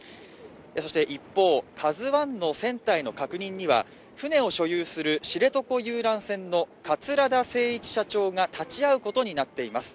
そして一方、「ＫＡＺＵⅠ」の船体の確認には船を所有する知床遊覧船の桂田精一社長が立ち会うことになっています。